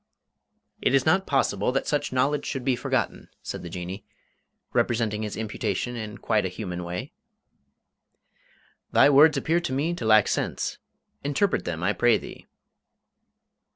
"It is not possible that such knowledge should be forgotten," said the Jinnee, resenting this imputation in quite a human way. "Thy words appear to me to lack sense. Interpret them, I pray thee."